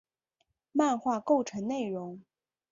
漫画构成内容。